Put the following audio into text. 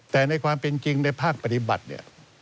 แต่ในความเป็นจริงในภาคปฏิบัติเนี่ย